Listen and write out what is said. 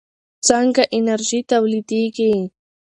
څنګه انرژي تولیدېږي؟